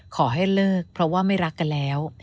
ขอให้เลิกเพราะว่าไม่รักกันแล้ว